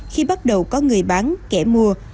khi bắt đầu có người bán kẻ mua